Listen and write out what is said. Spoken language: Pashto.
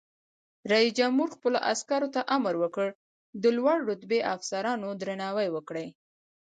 رئیس جمهور خپلو عسکرو ته امر وکړ؛ د لوړ رتبه افسرانو درناوی وکړئ!